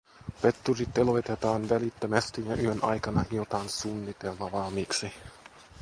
Petturit teloitetaan välittömästi ja yön aikana hiotaan suunnitelma valmiiksi.